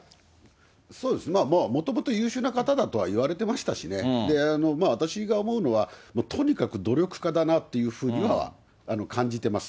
そうですね、まあもともと優秀な方だとはいわれてましたしね、私が思うのは、とにかく努力家だなというふうには感じてます。